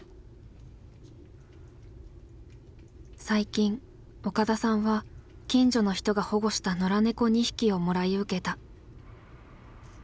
最近岡田さんは近所の人が保護した野良猫２匹をもらい受けた。